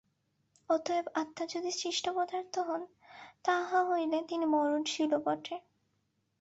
অতএব আত্মা যদি সৃষ্ট পদার্থ হন, তাহা হইলে তিনি মরণশীলও বটে।